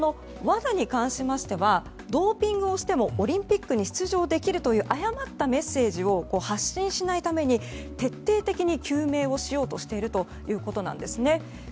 ＷＡＤＡに関しましてはドーピングをしてもオリンピックに出場できるという誤ったメッセージを発信しないために徹底的に究明しようとしているということです。